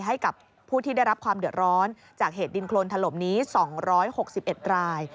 ให้กับผู้ที่ได้รับความเดือดร้อนจากเหตุดินโครนถล่มนี้๒๖๑ราย